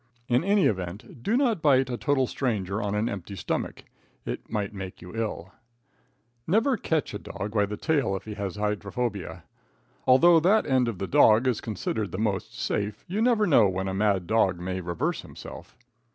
In any event, do not bite a total stranger on an empty stomach. It might make you ill. Never catch a dog by the tail if he has hydrophobia. Although that end of the dog is considered the most safe, you never know when a mad dog may reverse himself.